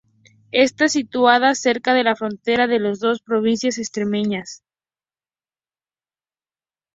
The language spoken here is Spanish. Está situada cerca de la frontera de las dos provincias extremeñas.